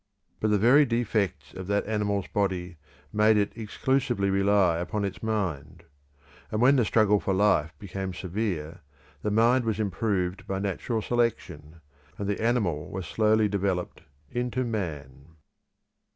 But the very defects of that animal's body made it exclusively rely upon its mind; and when the struggle for life became severe, the mind was improved by natural selection, and the animal was slowly developed into man.